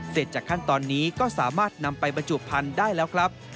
เสร็จจากขั้นตอนนี้ก็สามารถนำไปบรรจุพันธุ์ได้แล้วครับ